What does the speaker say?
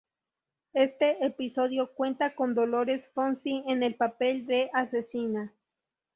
Este episodio cuenta con Dolores Fonzi, en el papel de asesina.